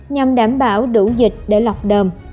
nhằm đảm bảo đủ dịch để lọc đơm